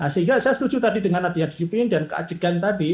sehingga saya setuju tadi dengan adanya disiplin dan keajegan tadi